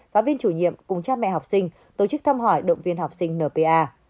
phá viên chủ nhiệm cùng cha mẹ học sinh tổ chức thăm hỏi động viên học sinh npa